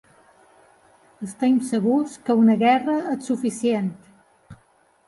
Estem segurs que una guerra és suficient.